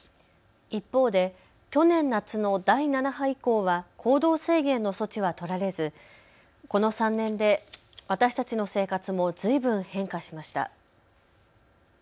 一方で去年夏の第７波以降は行動制限の措置は取られず、この３年で私たちの生活もずいぶん変化しました。